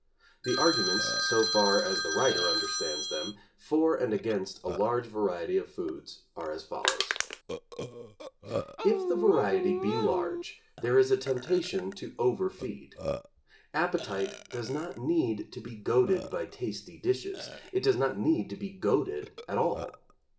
The arguments, so far as the writer understands them, for and against a large variety of foods, are as follows: If the variety be large there is a temptation to over feed. Appetite does not need to be goaded by tasty dishes; it does not need to be goaded at all.